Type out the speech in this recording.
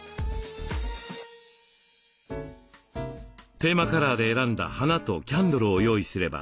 テーマカラーで選んだ花とキャンドルを用意すれば。